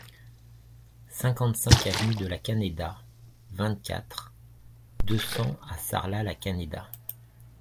cinquante-cinq avenue de la Canéda, vingt-quatre, deux cents à Sarlat-la-Canéda